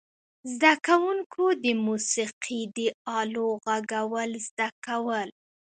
زده کوونکو د موسیقي د آلو غږول زده کول.